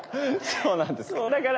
そうなんですか。